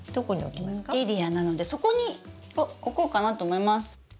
インテリアなのでそこに置こうかなと思います。